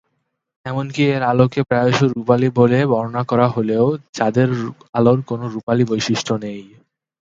এমনকি এর আলোকে প্রায়শ "রূপালি" বলে বর্ণনা করা হলেও, চাঁদের আলোর কোনো রূপালি বৈশিষ্ট্য নেই।